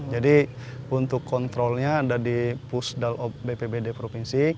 jadi untuk kontrolnya ada di pusat bpbd provinsi